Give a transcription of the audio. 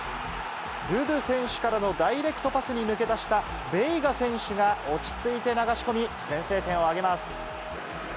ドゥドゥ選手からのダイレクトパスに抜け出したベイガ選手が、落ち着いて流し込み、先制点を挙げます。